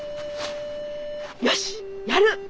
よしやる！